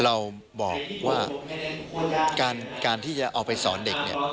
เราบอกว่าการที่จะเอาไปสอนเด็กเนี่ย